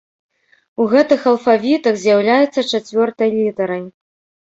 У гэтых алфавітах з'яўляецца чацвёртай літарай.